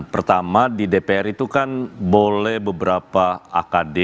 pertama di dpr itu kan boleh beberapa akd